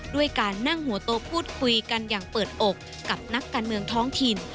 ด้วยการนั่งหัวโต๊ะพูดคุยกันอย่างเปิดอกกับนักการเมืองท้องถิ่น